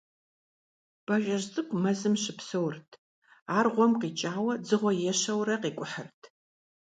Бажэжь цӀыкӀу мэзым щыпсэурт. Ар гъуэм къикӀауэ дзыгъуэ ещэурэ къикӀухьырт.